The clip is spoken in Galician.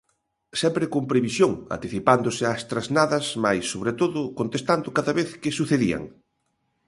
Sempre con previsión, anticipándose ás trasnadas, mais, sobre todo, contestando cada vez que sucedían.